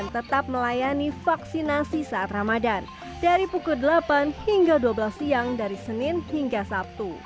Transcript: tetap melayani vaksinasi saat ramadan dari pukul delapan hingga dua belas siang dari senin hingga sabtu